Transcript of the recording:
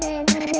kau mau kemana